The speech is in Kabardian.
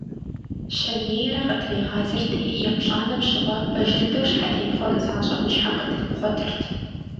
Щэнейрэ къытригъазэрти, еплӀанэм щыгъуэ, пэж дыдэу, щхьэтепхъуэр нысащӀэм и щхьэм къытрипхъуэтырт.